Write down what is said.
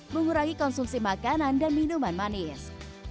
mengurangi konsumsi makanan dan minuman manis